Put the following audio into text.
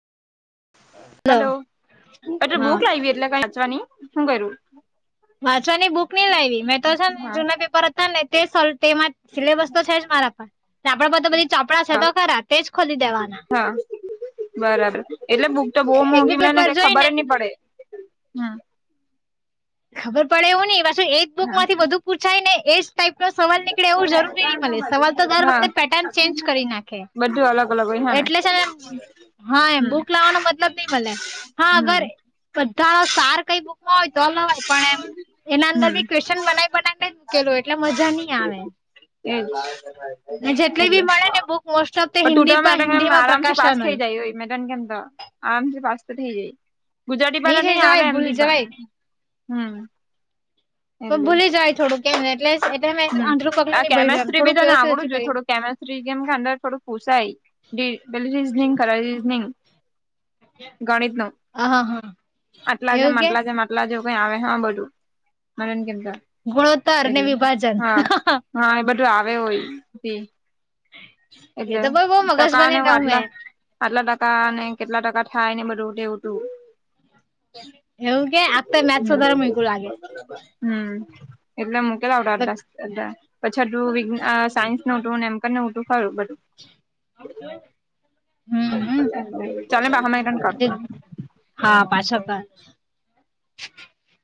Hello પટ હા book લાવ એટલે ક સાચવાની શું કરું વાંચવાની બુક નહી લાવી મેં તો છે ને હા જૂના પેપર હતા ને તે સો તેમાં. સિલેબસ તો છે જ મારા પર આપડા પર તો બધી ચોપડા છે હા તો ખરા તેજ ખોલી દેવાના. હા બરાબર એટલે બુક તો બહુ એક બી મોંઘી મળે ને પેપર કઈ જોઈ ખબર જ નહી પડે. હા. ખબર પડે એવું ને પાછું એજ બુક હા માંથી બધું પૂછાય ને એજ. ટાઈપ નો સવાલ નીકળે એવું જરૂરી નહી મળે સવાલ તો દર હા વખત પેટર્ન ચેન્જ કરી નાખે. બધું અલગ અલગ હોય હેને એટલે છે ને હા એમ હમ બુક લાવાનું બધ મતલબ ની મલે હા હમ અગર બધાના સાર કઈ બુકમાં હોય તો લવાય પણ એમ એના અંદર હમ બી ક્વેશ્ચન બનાઇ બનાઈને મૂકેલુ હોય એટલે મજા ની આવે એજ ને જેટલી બી મળે ને બુક મોસ્ટ ઓફ તો હિન્દી પણ તમે હિન્દીમાં આરામથી પાસ પ્રકાશન થઇ હોય જાય મે તન કેમ આરામથી પાસ તો થઇ જાય ગુજરાતી ભરા ની થઈ આવે જવાય એમ ભૂલી બી પણ જવાય હમ પણ એલે ભૂલી જવાય થોડુંક એમ એટલે એટલે મે હમ આંધળું પગલું આ ની ભર્યું એમ કેમેસ્ત્રી બી થોડુંક તને વ્યવસ્થિત આવડું ઓછું જોઈએ કર્યું થોડુંક કેમેસ્ત્રી કેમ કે અંદર થોડું પૂસાય રી પેલું રીઝનિંગ કરે રીઝનિંગ ગણિત નું હા હા આટલા એવું જેમ કે આટલા જેમ આટલા જેવું કઈ આવે છે બધું મને એમ કેતા ગુણોત્તર ને એટલે વિભાજન હા હા એ બધું આવે હોય તી [inaudible] એ એટલે તો બઉ બઉ મગજ ટકા ને બની દઉં વાટલા મેં આટલા ટકા અને કેટલા ટકા થાય ને બધું ટેવુ ટુ એવું કે આ તો મેચ સુધારે મુયકુ લાગે હમ એટલે મૂકે લાવટા તા એટલે મેંપછી આટલું વિ સાયન્સ ન ઉટું એમકે ઊટું થયું બધું ચાલ બાહમાં કર [inaudible] હા પાછો કર